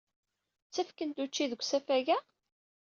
Ttakfen-d ucci deg usafag-a?